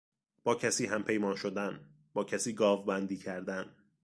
با کسی همپیمان شدن، با کسی گاوبندی کردن